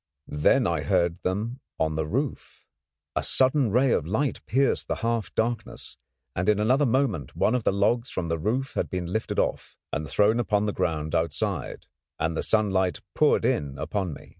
Then I heard them on the roof. A sudden ray of light pierced the half darkness, and in another moment one of the logs from the roof had been lifted off, and thrown upon the ground outside, and the sunlight poured in upon me.